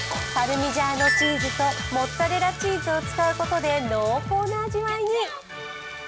パルミジャーノチーズとモッツァレラチーズを使うことで濃厚な味わいに。